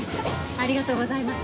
ありがとうございます。